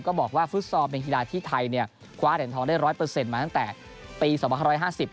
ก็บอกว่าฟุตซอลเป็นกีฬาที่ไทยกว้าแถนทองได้๑๐๐มาตั้งแต่ปี๒๐๕๐